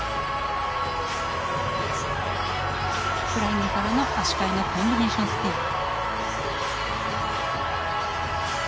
フライングからの足換えのコンビネーションスピン。